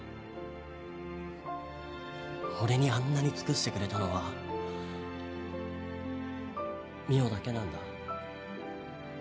俺にあんなに尽くしてくれたのは澪だけなんだ。